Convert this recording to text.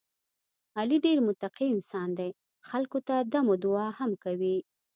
علي ډېر متقی انسان دی، خلکو ته دم دعا هم کوي.